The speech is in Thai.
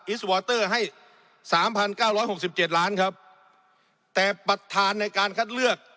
สวอเตอร์ให้สามพันเก้าร้อยหกสิบเจ็ดล้านครับแต่ประธานในการคัดเลือก